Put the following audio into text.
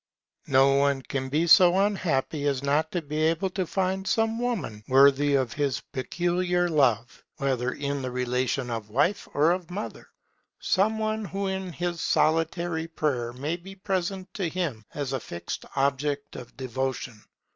No one can be so unhappy as not to be able to find some woman worthy of his peculiar love, whether in the relation of wife or of mother; some one who in his solitary prayer may be present to him as a fixed object of devotion.